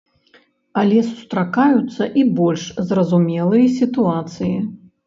Але сустракаюцца і больш зразумелыя сітуацыі.